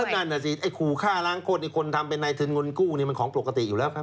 เอิ้นตานนะซิไอ้ขู่ฆ่าล้างโคตรไอ้คนทำใบในทึนงลกู้นี่มันของปกติอยู่แล้วครับ